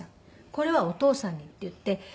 これはお義父さんに」っていって。